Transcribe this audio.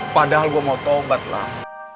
padahal gue mau obat lam